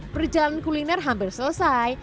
perjalanan kuliner hampir selesai